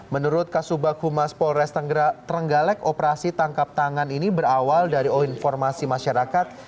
menurut kasubag humas polres tenggalek operasi tangkap tangan ini berawal dari oin formasi masyarakat